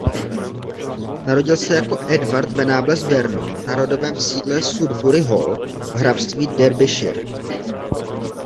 Narodil se jako Edward Venables–Vernon na rodovém sídle "Sudbury Hall" v hrabství Derbyshire.